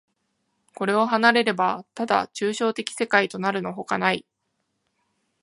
これを離れれば、ただ抽象的世界となるのほかない。